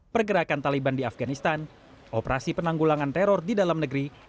pergerakan taliban di afganistan operasi penanggulangan teror di dalam negeri